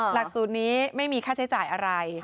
หลักสูตรนี้ไม่มีค่าใช้จ่ายอะไร